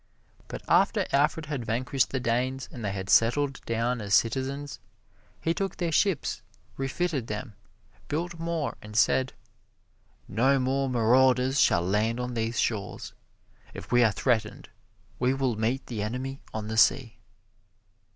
But after Alfred had vanquished the Danes and they had settled down as citizens, he took their ships, refitted them, built more and said: "No more marauders shall land on these shores. If we are threatened we will meet the enemy on the sea."